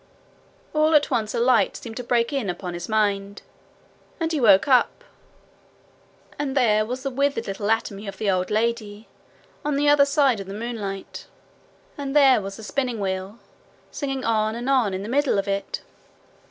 All at once a light seemed to break in upon his mind, and he woke up and there was the withered little atomy of the old lady on the other side of the moonlight, and there was the spinning wheel singing on and on in the middle of it!